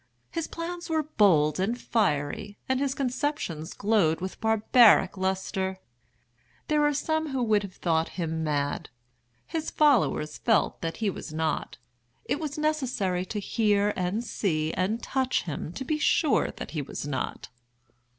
His plans were bold and fiery, and his conceptions glowed with barbaric lustre. There are some who would have thought him mad. His followers felt that he was not. It was necessary to hear and see and touch him to be sure that he was not.